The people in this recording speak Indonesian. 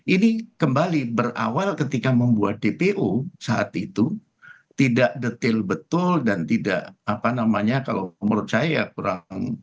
ini kembali berawal ketika membuat dpo saat itu tidak detail betul dan tidak apa namanya kalau menurut saya kurang